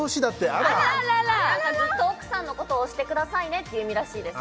あららずっと奥さんのことを推してくださいねって意味らしいです